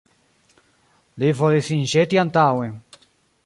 Li volis sin ĵeti antaŭen.